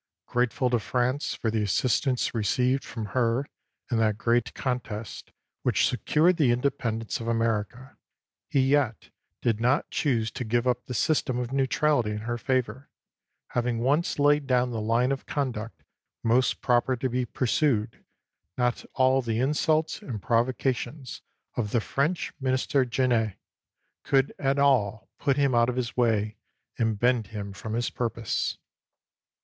Grate ful to France for the assistance received from her in that great contest which secured the inde pendence of America, he yet did not choose to give up the system of neutrality in her favor; having once laid down the line of conduct most proper to be pursued, not all the insults and provocations of the French minister, Genet, could at all put him out of his way and bend him from his purpose.